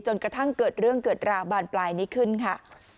กระทั่งเกิดเรื่องเกิดราวบานปลายนี้ขึ้นค่ะ